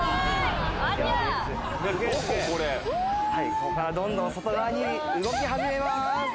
ここからどんどん外側に動き始めます。